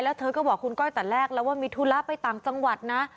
แล้วเธอก็บอกคุณก้อยแต่แรกแล้วว่ามีธุระไปต่างจังหวัดนะ